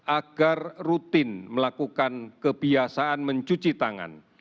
agar rutin melakukan kebiasaan mencuci tangan